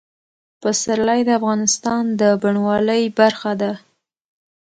پسرلی د افغانستان د بڼوالۍ برخه ده.